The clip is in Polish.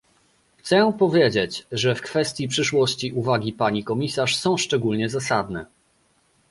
Chcę powiedzieć, że w kwestii przyszłości uwagi pani komisarz są szczególnie zasadne